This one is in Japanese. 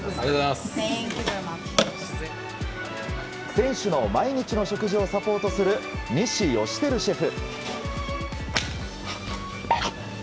選手の毎日の食事をサポートする西芳照シェフ。